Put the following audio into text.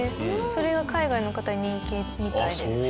それが海外の方に人気みたいです。